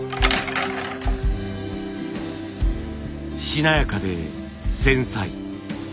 しなやかで繊細。